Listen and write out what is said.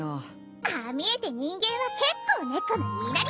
ああ見えて人間は結構猫の言いなりさ。